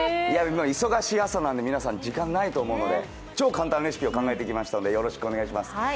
忙しい朝、皆さん時間ないと思うので超簡単レシピを考えてきましたんで、よろしくお願いします。